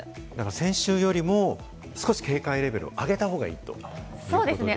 先週よりも少し警戒レベルを上げた方がいいってことですね。